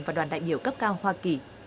và đoàn đại biểu cấp cao hoa kỳ